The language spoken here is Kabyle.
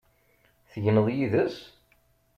Tegneḍ yid-s?